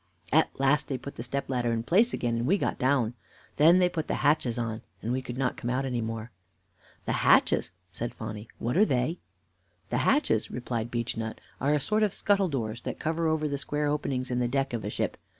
At last they put the step ladder in its place again, and we got down. Then they put the hatches on, and we could not come out any more." "The hatches?" said Phonny. "What are they?" "The hatches," replied Beechnut, "are a sort of scuttle doors that cover over the square openings in the deck of a ship.